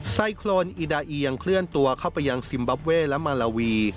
ไซโครนอิดาเอียงเคลื่อนตัวเข้าไปยังซิมบับเว่และมาลาวี